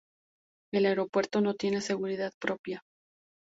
El aeropuerto no tiene seguridad propia.